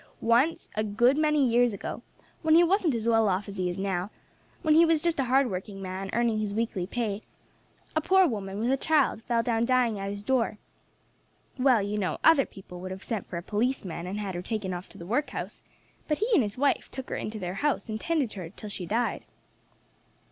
Once, a good many years ago, when he wasn't as well off as he is now, when he was just a hard working man, earning his weekly pay, a poor woman with a child fell down dying at his door. Well, you know, other people would have sent for a policeman and had her taken off to the workhouse, but he and his wife took her into their house and tended her till she died."